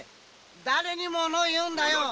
だれにもの言うんだよ！